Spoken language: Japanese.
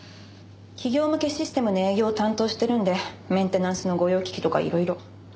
企業向けシステムの営業を担当してるんでメンテナンスの御用聞きとかいろいろ。